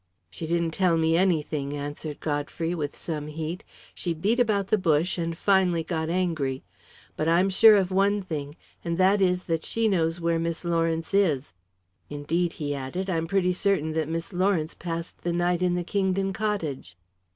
"She didn't tell me anything," answered Godfrey, with some heat. "She beat about the bush and finally got angry. But I'm sure of one thing, and that is that she knows where Miss Lawrence is. Indeed," he added, "I'm pretty certain that Miss Lawrence passed the night in the Kingdon cottage."